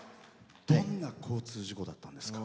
どんな交通事故だったんですか？